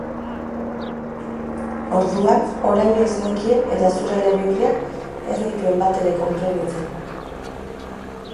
Orduan oraino ez nekien eta zure ele bihurriak ez nituen batere konprenitzen.